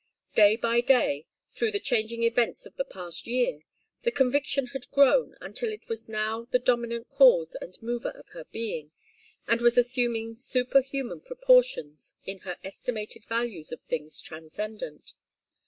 Day by day, through the changing events of the past year, the conviction had grown, until it was now the dominant cause and mover of her being, and was assuming superhuman proportions in her estimated values of things transcendent.